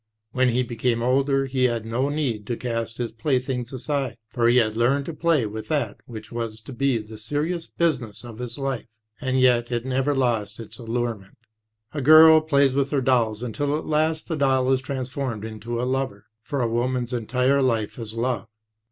When he became older he had no need to cast his playthings aside, for he had learned to play with that which was to be the serious business of his life; and yet it never lost its allurement. A girl plays with her dolls until at last the doll is transformed into a lover, for a woman's entire life is love.